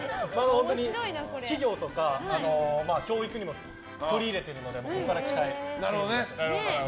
本当に企業とか教育にも取り入れてるのでここから期待です。